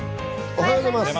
おはようございます。